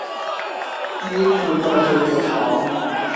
第一次怪兽热潮